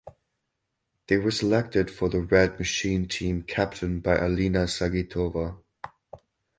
They were selected for the Red Machine team captained by Alina Zagitova.